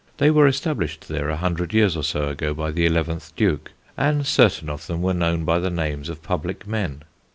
They were established there a hundred years or so ago by the eleventh Duke, and certain of them were known by the names of public men.